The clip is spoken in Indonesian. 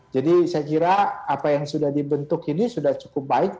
saya kira apa yang sudah dibentuk ini sudah cukup baik